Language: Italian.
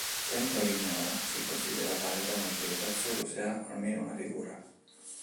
Sempre a Vignola si considera valida una presa, solo se ha almeno una figura.